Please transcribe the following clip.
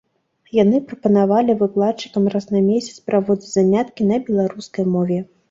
Яны прапанавалі выкладчыкам раз на месяц праводзіць заняткі на беларускай мове.